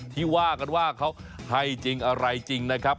ที่ว่ากันว่าเขาให้จริงอะไรจริงนะครับ